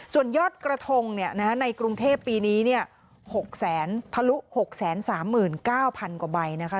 ส่วนยอดกระทงในกรุงเทพฯปีนี้๖๓๙๐๐๐กว่าใบนะคะ